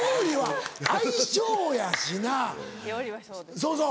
そうそう。